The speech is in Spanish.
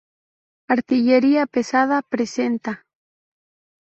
Artillería pesada presenta...